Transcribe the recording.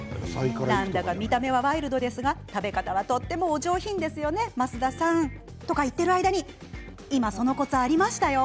なんだか見た目はワイルドですが食べ方はとってもお上品ですよね増田さん。とか言ってる間に、今そのコツがありましたよ。